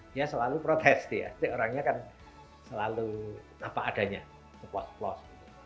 dia selalu protes orangnya kan selalu apa adanya sepuas puas